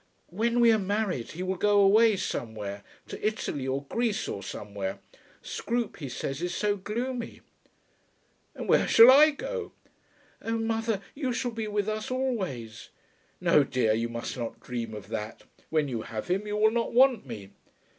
"When we are married he will go away somewhere, to Italy or Greece or somewhere. Scroope he says is so gloomy." "And where shall I go?" "Oh, mother; you shall be with us, always." "No, dear, you must not dream of that. When you have him you will not want me."